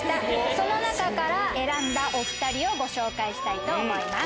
その中から選んだお２人をご紹介したいと思います。